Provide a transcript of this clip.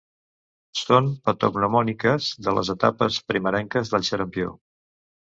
Són patognomòniques de les etapes primerenques del xarampió.